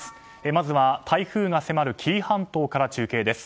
まずは台風が迫る紀伊半島から中継です。